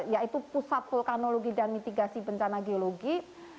yaitu pusat vulkanologi dan mitigasi bencana geologi